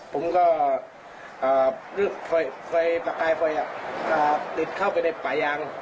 ผมก็รีบไฟประกายไฟติดเข้าไปในป่ายาง